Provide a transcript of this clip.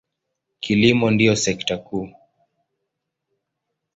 Kilimo ndiyo sekta kuu.